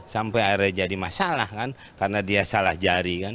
sampai akhirnya jadi masalah kan karena dia salah jari kan